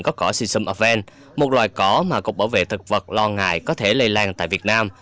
có cỏ sisum oven một loài cỏ mà cục bảo vệ thực vật lo ngại có thể lây lan tại việt nam